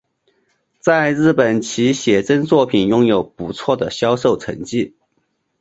在日本其写真作品拥有不错的销售成绩。